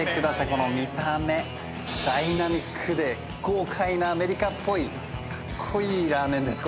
この見た目ダイナミックで豪快なアメリカっぽいかっこいいラーメンです